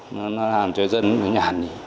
nó làm cho dân nhàn nhỉ